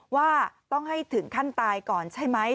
ว่าต้องให้ถึงขั้นตายก่อนใช่ไหม